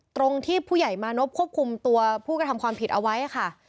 ตรงที่ผู้ใหญ่มานพควบคุมตัวผู้กระทำความผิดเอาไว้ค่ะ